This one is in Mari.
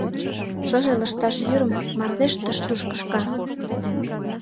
Шыже лышташ йӱрым Мардеж тыш-туш кышка.